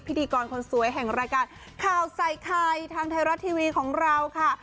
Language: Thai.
พิธีกรคนสวยแห่งรายการข่าวใส่ไข่ทางไทยรัฐทีวีของเราค่ะ